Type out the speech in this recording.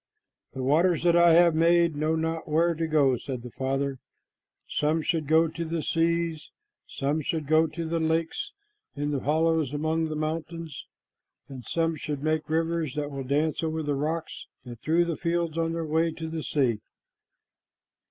"The waters that I have made know not where to go," said the Father. "Some should go to the seas, some should go to the lakes in the hollows among the mountains, and some should make rivers that will dance over the rocks and through the fields on their way to the sea."